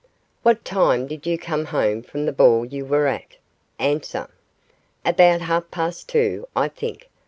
What time did you come home from the ball you were at? A. About half past two, I think.